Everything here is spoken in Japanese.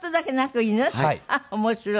あっ面白い。